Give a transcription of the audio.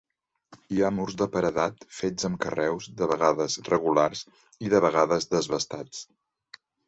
Hi ha murs de paredat fets amb carreus de vegades regulars i de vegades desbastats.